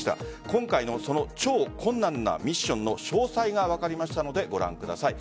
今回のその超困難なミッションの詳細が分かりましたのでご覧ください。